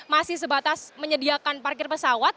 masih sebatas menyediakan parkir pesawat